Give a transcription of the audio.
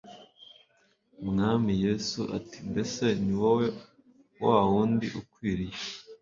mwami yesu ati mbese ni wowe wa wundi ukwiriye